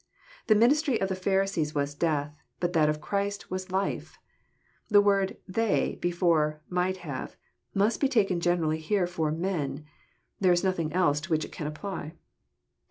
The ministry of the Pharisees was death, but that of Christ was life. The word " they " before " might have," must be taken generally here for '* men." There is nothing else to which it can apply.